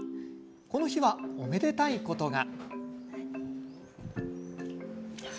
この日は、おめでたいことが。